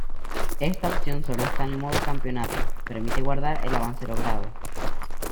Esta opción solo está en el modo campeonato, permite guardar el avance logrado.